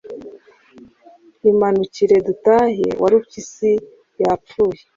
Imanukire dutahe, Warupyisi yapfuye.”